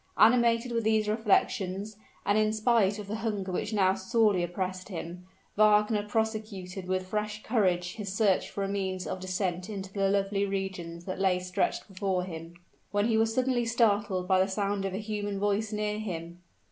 Animated with these reflections, and in spite of the hunger which now sorely oppressed him, Wagner prosecuted with fresh courage his search for a means of descent into the lovely regions that lay stretched before him, when he was suddenly startled by the sound of a human voice near him.